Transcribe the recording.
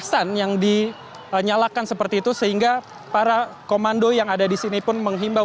kesan yang dinyalakan seperti itu sehingga para komando yang ada di sini pun menghimbau